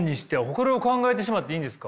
それを考えてしまっていいんですか？